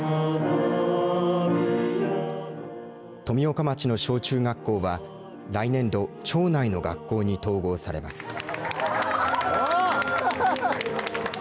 富岡町の小中学校は来年度町内の学校に統合されます。